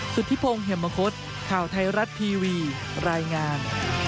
สุธิพงศ์เหมคศข่าวไทยรัฐทีวีรายงาน